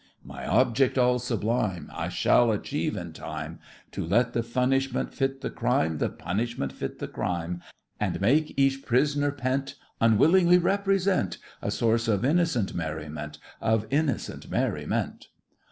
My object all sublime I shall achieve in time— To let the punishment fit the crime— The punishment fit the crime; And make each prisoner pent Unwillingly represent A source of innocent merriment! Of innocent merriment!